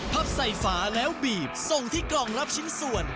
พับใส่ฝาแล้วบีบส่งที่กล่องรับชิ้นส่วน